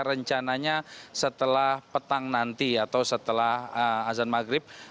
rencananya setelah petang nanti atau setelah azan maghrib